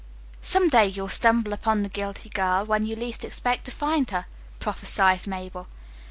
"Some day you'll stumble upon the guilty girl when you least expect to find her," prophesied Mabel.